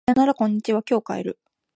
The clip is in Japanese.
さよならこんにちは今日帰る